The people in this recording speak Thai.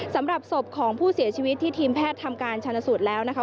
สำหรับศพของผู้เสียชีวิตที่ทีมแพทย์ทำการชาญสูตรแล้วนะคะ